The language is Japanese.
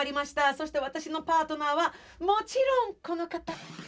そして私のパートナーはもちろんこの方。